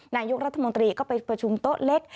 นายกรัฐมนตรีก็ไปประชุมโต๊ะเล็ก